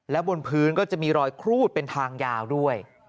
และบนพื้นก็จะมีรอยครูดเป็นทางยาวด้วย